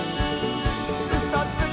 「うそつき！」